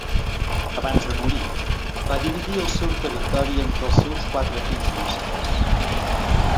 Abans de morir va dividir el seu territori entre els seus quatre fills mascles.